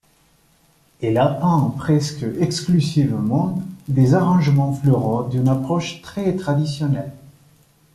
Elle a peint presque exclusivement des arrangements floraux d'une approche très traditionnelle.